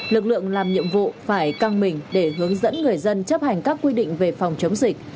lực lượng làm nhiệm vụ phải căng mình để hướng dẫn người dân chấp hành các quy định về phòng chống dịch